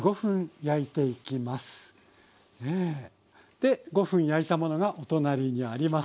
で５分焼いたものがお隣にあります。